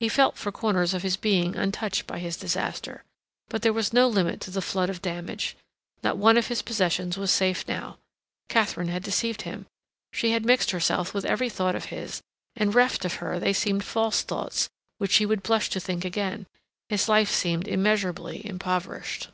He felt for corners of his being untouched by his disaster; but there was no limit to the flood of damage; not one of his possessions was safe now. Katharine had deceived him; she had mixed herself with every thought of his, and reft of her they seemed false thoughts which he would blush to think again. His life seemed immeasurably impoverished.